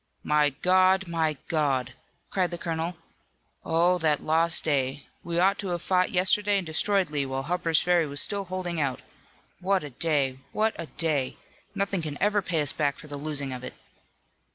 "My God! My God!" cried the colonel. "Oh, that lost day! We ought to have fought yesterday and destroyed Lee, while Harper's Ferry was still holding out! What a day! What a day! Nothing can ever pay us back for the losing of it!"